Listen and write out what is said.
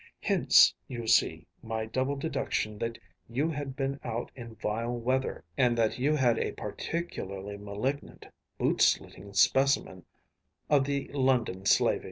Hence, you see, my double deduction that you had been out in vile weather, and that you had a particularly malignant boot slitting specimen of the London slavey.